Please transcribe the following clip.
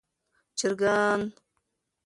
چرګان